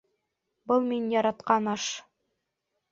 Был мин яратҡан аш